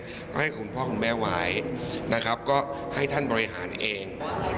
ก็ให้คุณพ่อคุณแม่ไว้นะครับก็ให้ท่านบริหารเอง